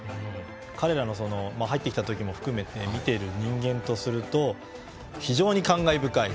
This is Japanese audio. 彼らの入ってきたときも含めて見ている人間とすると非常に感慨深い。